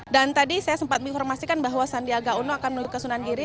dan tadi saya sempat menginformasikan bahwa sandiaga uno akan menuju ke sunan giri